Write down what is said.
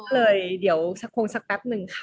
เลยเดี๋ยวคงสักแป๊บนึงค่ะ